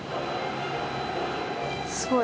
すごい。